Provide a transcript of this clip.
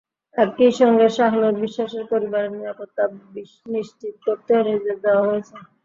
একই সঙ্গে শাহনূর বিশ্বাসের পরিবারের নিরাপত্তা নিশ্চিত করতেও নির্দেশ দেওয়া হয়েছে।